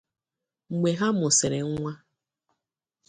Mgbe ha mụsịrị nwa